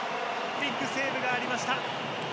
ビッグセーブがありました。